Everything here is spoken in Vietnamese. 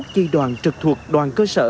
ba mươi một chi đoàn trực thuộc đoàn cơ sở